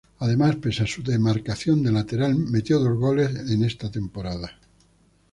Además pese a su demarcación de lateral metió dos goles en esta temporada.